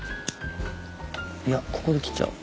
いやここで切っちゃおう。